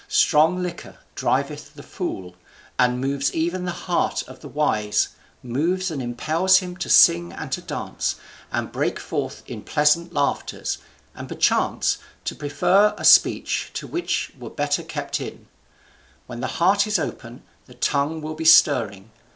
Strong liquor driveth the fool, and moves even the heart of the wise, moves and impels him to sing and to dance, and break forth in pleasant laughters, and perchance to prefer a speech too which were better kept in. When the heart is open, the tongue will be stirring.